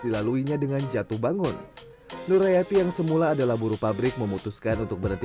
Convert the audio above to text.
dilaluinya dengan jatuh bangun nur hayati yang semula adalah buru pabrik memutuskan untuk berhenti